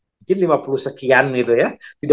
mungkin lima puluh sekian gitu ya